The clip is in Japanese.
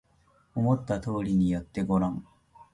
思った通りにやってごらん